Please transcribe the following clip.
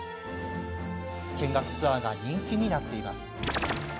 見学ツアーが人気になっています。